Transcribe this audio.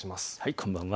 こんばんは。